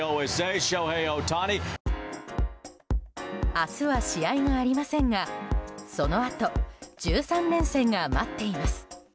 明日は試合がありませんがそのあと１３連戦が待っています。